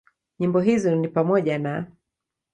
Nyimbo hizo ni pamoja na;